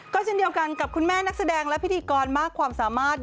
ก็เช่นเดียวกันกับคุณแม่นักแสดงและพิธีกรมากความสามารถ